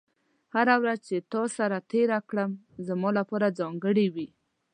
هره ورځ چې تا سره تېره کړم، زما لپاره ځانګړې وي.